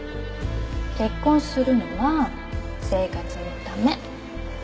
結婚するのは生活のため。